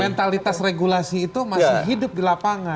mentalitas regulasi itu masih hidup di lapangan